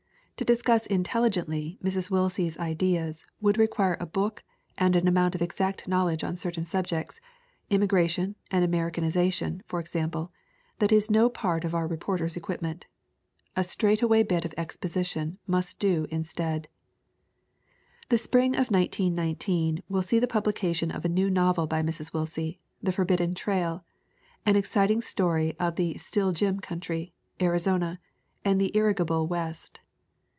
To discuss intelligently Mrs. Willsie's ideas would require a book and an amount of exact knowledge on certain subjects im migration and Americanization, for example that is no part of our reporter's equipment. A straightaway bit of exposition must do instead. The spring of 1919 will see the publication of a new novel by Mrs. Willsie, The Forbidden Trail, an exciting story of the Still Jim country, Arizona and the irrigable West.